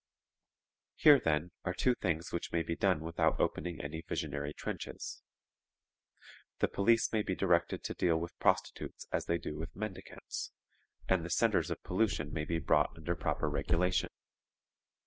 "Here, then, are two things which may be done without opening any visionary trenches. The police may be directed to deal with prostitutes as they do with mendicants, and the centres of pollution may be brought under proper regulation.